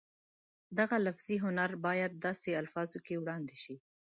دغه لفظي هنر باید داسې الفاظو کې وړاندې شي